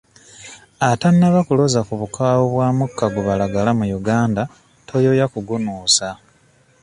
Atannaba kuloza ku bukaawu bwa mukka gubalagala mu Uganda toyoya kugunuusa.